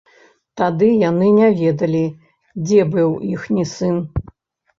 Тады яны не ведалі, дзе быў іхні сын.